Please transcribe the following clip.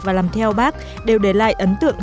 và làm theo bác đều để lại ấn tượng